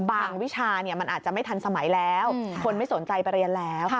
วิชามันอาจจะไม่ทันสมัยแล้วคนไม่สนใจไปเรียนแล้ว